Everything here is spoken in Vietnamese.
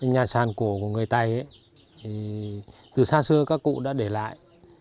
nhà sàn cổ của người tày từ xa xưa các cụ đã để lại